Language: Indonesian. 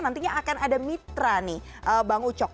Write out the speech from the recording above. nantinya akan ada mitra nih bang ucok